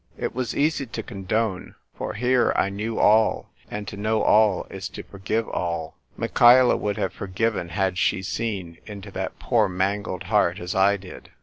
It was easy to con done, for here I knew all, and to know all is to forgive all. Michaela would have forgiven had she seen into that poor mangled heart as I did.